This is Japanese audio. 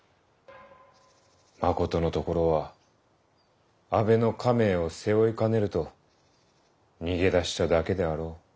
まことのところは阿部の家名を背負いかねると逃げ出しただけであろう。